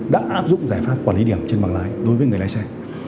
đã áp dụng giải pháp quản lý điểm trên bảng lái đối với người lái xe